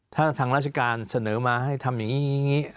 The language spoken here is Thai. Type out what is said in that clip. ถ้าทางราชการเสนอมาให้ทำอย่างนี้